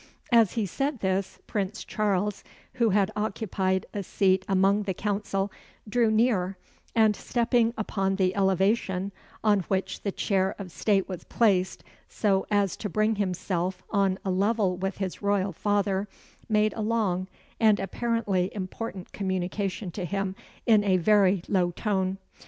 As he said this, Prince Charles, who had occupied a seat among the Council, drew near, and stepping upon the elevation on which the chair of state was placed, so as to bring himself on a level with his royal father, made a long and apparently important communication to him in a very low tone.